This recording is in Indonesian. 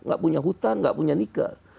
gak punya hutan gak punya nikel